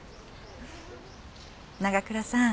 長倉さん。